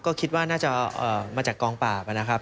ก็คิดว่าน่าจะมาจากกองปราบนะครับ